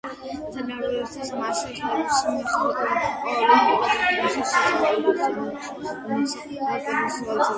თეორიულად მას ხელით გოლის გატანაც შეუძლია, თუმცა პრაქტიკულად ეს შეუძლებელია და ეს არც მომხდარა.